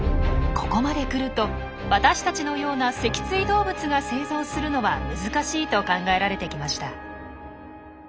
ここまで来ると私たちのような脊椎動物が生存するのは難しいと考えられてきました。